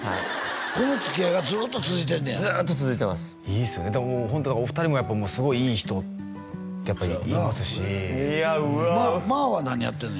このつきあいがずーっと続いてんねやずーっと続いてますいいっすよねお二人もやっぱすごいいい人って言いますしいやうわＭＡＲは何やってんの？